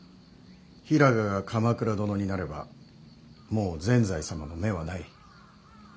平賀が鎌倉殿になればもう善哉様の目はない。